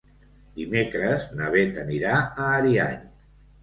Dimecres na Beth anirà a Ariany.